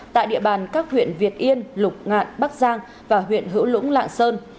tại địa bàn các huyện việt yên lục ngạn bắc giang và huyện hữu lũng lạng sơn